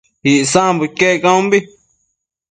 Icsambo iquec caunbi